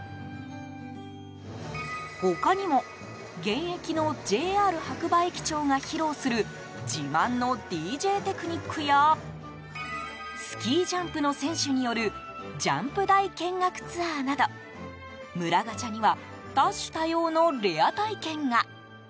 他にも現役のＪＲ白馬駅長が披露する自慢のＤＪテクニックやスキージャンプの選手によるジャンプ台見学ツアーなど村ガチャには多種多様のレア体験が。